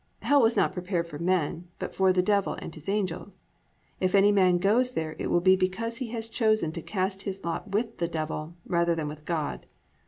"+ Hell was not prepared for men, but for the Devil and his angels. If any man goes there it will be because he has chosen to cast in his lot with the Devil rather than with God.